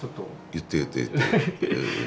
言って言って言って。